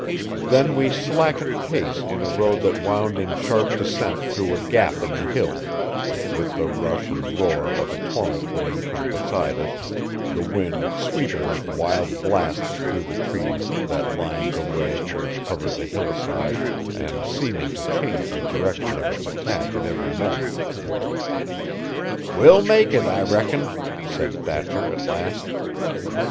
Then we slackened pace in a road that wound in sharp descent through a gap in the hills, with the rush and roar of a torrent beneath and beside us, the wind sweeping with wild blasts through the trees that lined the way and covered the hillside and seeming to change the direction of its attack at every moment. "We'll make it, I reckon," said Thatcher, at last.